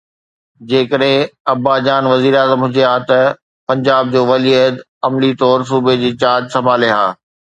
جيڪڏهن ابا جان وزير اعظم هجي ها ته پنجاب جو ولي عهد عملي طور صوبي جي چارج سنڀالي ها.